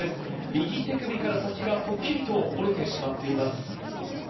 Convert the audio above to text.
右手首から先が、ぽっきりと折れてしまっています。